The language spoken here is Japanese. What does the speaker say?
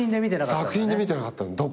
作品で見てなかったどっか。